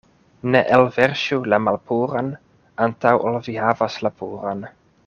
Ne elverŝu la malpuran, antaŭ ol vi havas la puran.